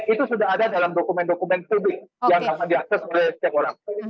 itu sudah ada dalam dokumen dokumen studi yang akan diakses oleh setiap orang